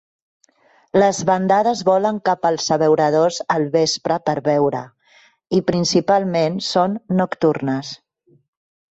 Les bandades volen cap als abeuradors al vespre per veure i, principalment, són nocturnes.